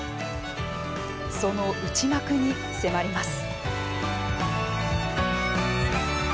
その内幕に迫ります。